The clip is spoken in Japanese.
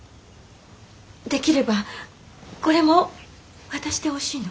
できればこれも渡してほしいの。